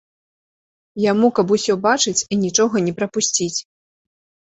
Яму каб усё бачыць і нічога не прапусціць.